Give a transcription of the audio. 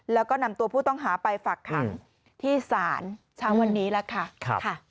แล้วก็นำตัวผู้ต้องหาไปฝักขังที่ศาลเช้าวันนี้แล้วค่ะ